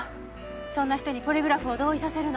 そんな人にポリグラフを同意させるの。